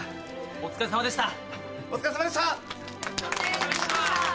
お疲れさまでした！